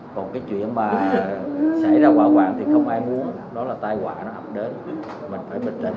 còn cái chuyện mà xảy ra quả quạng thì không ai muốn đó là tai quạ nó ập đến mình phải bình tĩnh